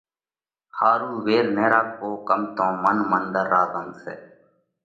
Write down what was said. ۿارُو وير نہ راکوو ڪم تو من منۮر را زم سئہ